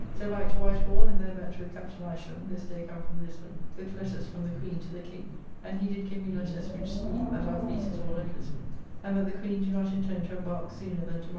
So back to White Hall, and there met with Captn. Isham, this day come from Lisbon, with letters from the Queen to the King. And he did give me letters which speak that our fleet is all at Lisbon; [One of these letters was probably from John Creed. Mr.